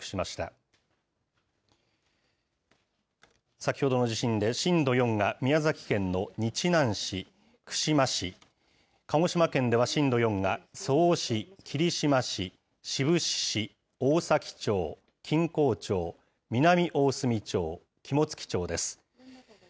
先ほどの地震で、震度４が宮崎県の日南市、串間市、鹿児島県では震度４が曽於市、霧島市、志布志市、大崎町、錦江町、南大隅町、肝付町です。